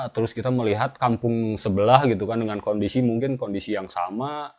terus kita melihat kampung sebelah dengan kondisi mungkin yang sama